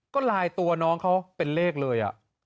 ก็ลายตัวน้องเขาเป็นเลขเลย